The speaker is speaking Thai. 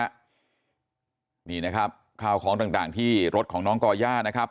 ทุกครู่นี้นะครับนี่นะครับข้าวของต่างที่รถของน้องก่อย่านะครับ